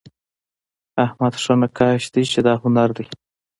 احمد ښه نقاش دئ، چي دا هنر دئ.